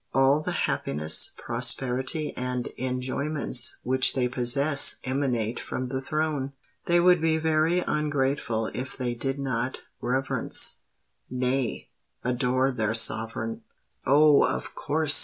All the happiness, prosperity, and enjoyments which they possess emanate from the throne. They would be very ungrateful if they did not reverence—nay, adore their sovereign." "Oh, of course!"